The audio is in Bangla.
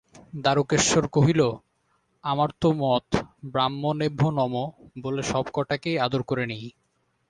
দারুকেশ্বর কহিল, আমার তো মত, ব্রাহ্মণেভ্যো নমঃ বলে সব-কটাকেই আদর করে নিই।